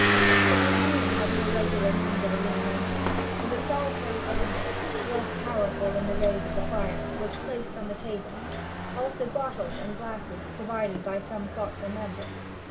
The museum had no regular means of illumination, and a solitary candle, less powerful than the rays of the fire, was placed on the table; also bottles and glasses, provided by some thoughtful member.